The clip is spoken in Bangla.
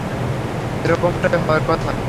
এরকমটাই হওয়ার কথা।